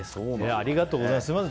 ありがとうございます。